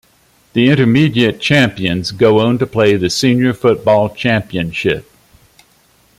The Intermediate champions go on to play in the Senior football Championship.